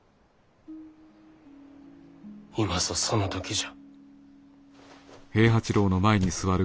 今ぞその時じゃ。